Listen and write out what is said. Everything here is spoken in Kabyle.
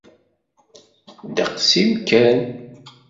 Ddeqs-iw kan.